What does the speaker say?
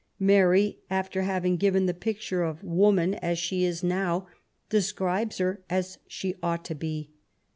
Mary, after having given the picture of woman a» she is now, describes her as she ought to be.